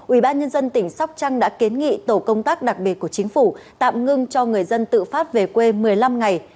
ubnd tỉnh sóc trăng đã kiến nghị tổ công tác đặc biệt của chính phủ tạm ngưng cho người dân tự phát về quê một mươi năm ngày